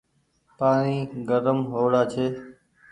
پآڻيٚ گرم هو وڙآ ڇي ۔